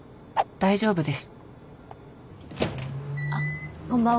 大丈夫です。